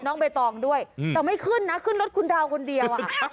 ใบตองด้วยแต่ไม่ขึ้นนะขึ้นรถคุณดาวคนเดียว